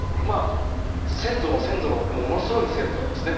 先祖の先祖のものすごい先祖はですね。